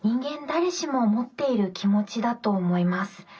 誰しも持っている気持ちだと思います。